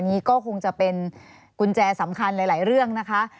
นี้ก็คงจะเป็นกุญแจสำคัญหลายเรื่องนะคะ